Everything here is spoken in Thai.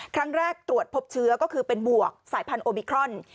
ครั้งแรกตรวจพบเชื้อก็คือเป็นบวกสายพันธุมิครอน